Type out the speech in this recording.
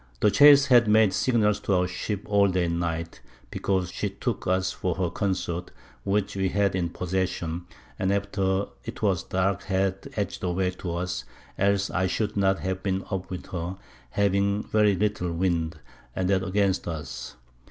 The Chase had made Signals to our Ship all the Day and Night, because she took us for her Consort, which we had in possession, and after 'twas dark had edg'd away to us, else I should not have been up with her, having very little Wind, and that against us.